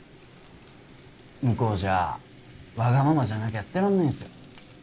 向こうじゃわがままじゃなきゃやってらんないんっすよ